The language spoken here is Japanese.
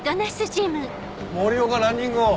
森生がランニングを。